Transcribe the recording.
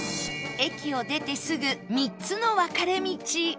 駅を出てすぐ３つの分かれ道